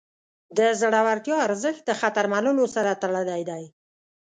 د زړورتیا ارزښت د خطر منلو سره تړلی دی.